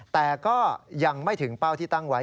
แต่ก็ยังไม่ถึงเป้าที่ตั้งไว้